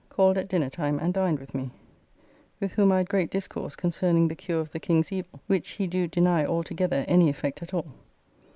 ] called at dinner time and dined with me, with whom I had great discourse concerning the cure of the King's evil, which he do deny altogether any effect at all.